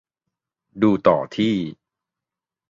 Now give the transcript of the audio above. ดูต่อที่